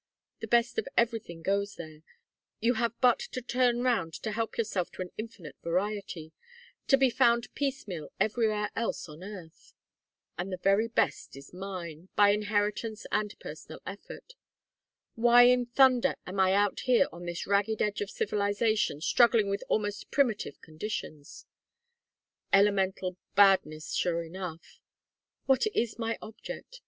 The best of everything goes there, you have but to turn round to help yourself to an infinite variety to be found piecemeal everywhere else on earth. And the very best is mine, by inheritance and personal effort. Why in thunder am I out here on this ragged edge of civilization struggling with almost primitive conditions? elemental badness, sure enough! What is my object?